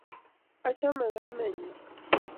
Achame kamennyu.